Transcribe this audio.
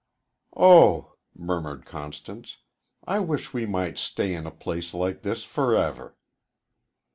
"Oh," murmured Constance, "I wish we might stay in a place like this forever!"